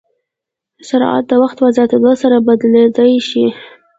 سرعت د وخت په زیاتېدو سره بدلېدای شي.